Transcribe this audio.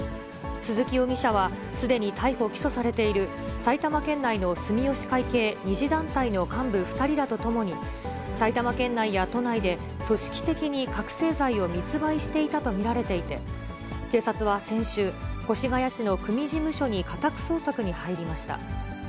鈴木容疑者はすでに逮捕・起訴されている埼玉県内の住吉会系２次団体の幹部２人らと共に、埼玉県内や都内で、組織的に覚醒剤を密売していたと見られていて、警察は先週、越谷市の組事務所に家宅捜索に入りました。